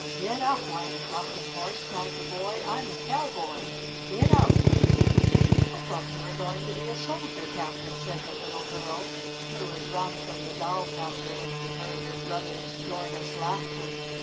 "Gid dap, White Rocking Horse!' 9, cried the boy. "I'm a cowboy! Gid dap!" "I thought you were going to be a sol dier captain," said the little girl, who had run from the doll counter when she heard her brother's joyous laughter.